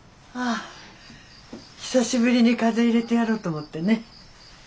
久しぶりに風入れてやろうと思ってね。